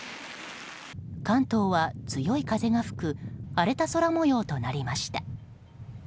関東は強い風が吹く荒れた空模様となりました。